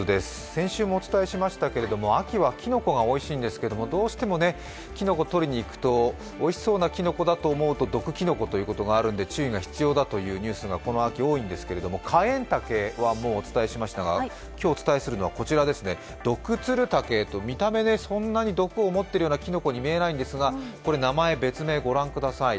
先週もお伝えしましたけれども、秋はきのこがおいしいんですがどうしてもきのこをとりにいくとおいしそうなきのこだと思うと毒きのこということがあるので注意が必要だというニュースがこの秋多いんですけれども、カインタケはもうお伝えしましたが今日お伝えするのはこちら、ドクツルタケという、見た目でそんなに毒を盛っているようなきのこに見えないんですが名前、別名ご覧ください。